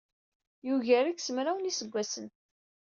Yugar-ik s mraw n yiseggasen.